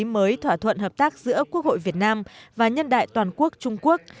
mới thỏa thuận hợp tác giữa quốc hội việt nam và nhân đại toàn quốc trung quốc